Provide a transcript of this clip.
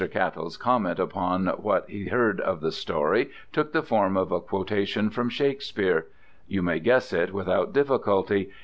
Cattell's comment upon what he heard of the story took the form of a quotation from Shakespeare. You may guess it without difficulty.